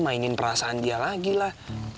mainin perasaan dia lagi lah